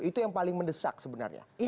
itu yang paling mendesak sebenarnya